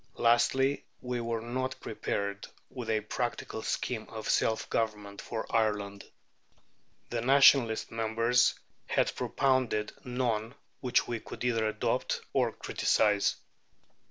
Lastly, we were not prepared with a practical scheme of self government for Ireland. The Nationalist members had propounded none which we could either adopt or criticize.